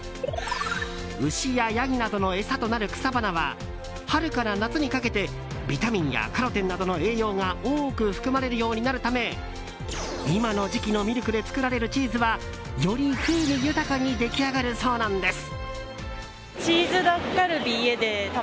牛やヤギなどの餌となる草花は春から夏にかけてビタミンやカロテンなどの栄養が多く含まれるようになるため今の時期のミルクで作られるチーズはより風味豊かに出来上がるそうなんです。